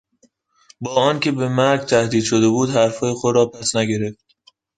با آنکه به مرگ تهدید شده بود حرفهای خود را پس نگرفت.